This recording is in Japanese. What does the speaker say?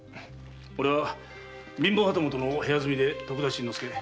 俺は貧乏旗本の部屋住みで徳田新之助。